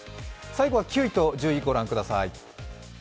最後は９位と１０位御覧ください。